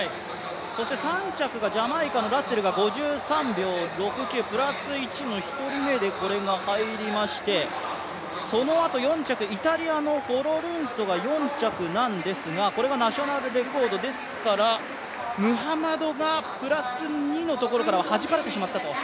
そして３着ジャマイカのラッセルが５３秒６９プラス１の１人目でこれが入りまして、そのあと４着、イタリアのフォロルンソが４着なんですがこれがナショナルレコードですから、ムハマドがプラス２のところからははじかれてしまったと。